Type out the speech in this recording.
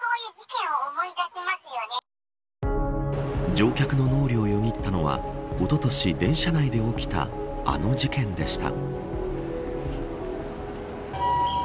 乗客の脳裏をよぎったのはおととし電車内で起きたあの事件でした。